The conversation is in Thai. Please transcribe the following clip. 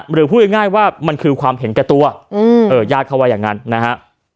หรือพูดง่ายว่ามันคือความเห็นแก่ตัวญาติเขาว่าอย่างนั้นนะฮะ